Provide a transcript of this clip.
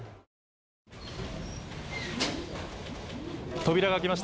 扉が開きました。